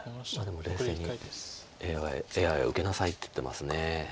でも冷静にＡＩは受けなさいって言ってます。